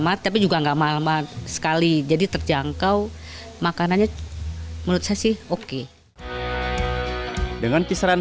mati tapi juga enggak malam sekali jadi terjangkau makanannya menurut saya sih oke dengan kisaran